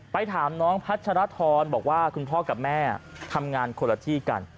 ถามน้องพัชรทรบอกว่าคุณพ่อกับแม่ทำงานคนละที่กัน